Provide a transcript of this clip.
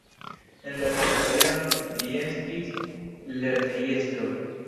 En la sekva jaro li estis lernejestro.